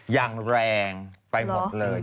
อย่างแรงไปหมดเลย